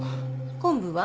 昆布は？